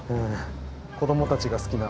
子どもたちが好きな。